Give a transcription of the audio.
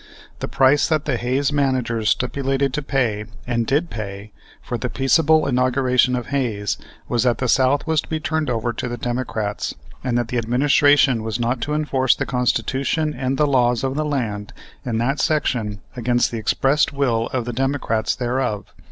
The price that the Hayes managers stipulated to pay, and did pay, for the peaceable inauguration of Hayes was that the South was to be turned over to the Democrats and that the administration was not to enforce the Constitution and the laws of the land in that section against the expressed will of the Democrats thereof.